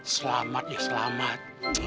selamat ya selamat